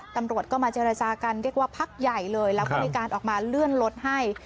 ตำรวจก็มาเจรจากันเรียกว่าพักใหญ่เลยแล้วก็มีการออกมาเลื่อนรถให้